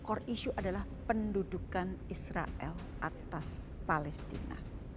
core issue adalah pendudukan israel atas palestina